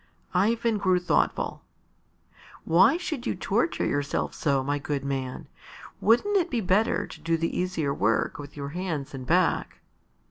Ivan grew thoughtful. "Why should you torture yourself so, my good man? Wouldn't it be better to do the easier work with your hands and back?"